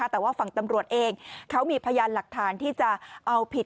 แต่ว่าฝั่งตำรวจเองเขามีพยานหลักฐานที่จะเอาผิด